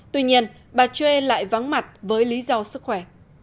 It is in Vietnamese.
tuy nhiên bà chuê lại vắng mặt với lý do sức khỏe